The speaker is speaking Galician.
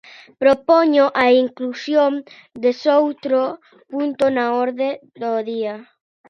Propoño a inclusión desoutro punto na orde do día.